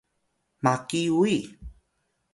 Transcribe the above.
maki uyi